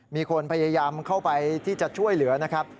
มีคนพยายามเข้าไปที่จะช่วยเหลือนะครับ